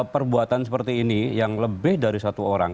perbuatan seperti ini yang lebih dari satu orang